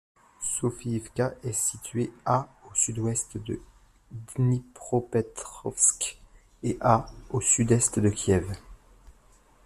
Sofiïvka est située à au sud-ouest de Dnipropetrovsk et à au sud-est de Kiev.